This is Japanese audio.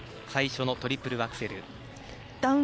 最初のトリプルアクセルです。